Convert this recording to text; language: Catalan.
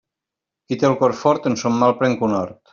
Qui té el cor fort, en son mal pren conhort.